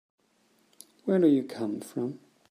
Where do you come from?